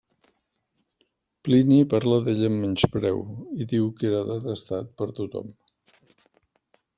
Plini parla d'ell amb menyspreu i diu que era detestat per tothom.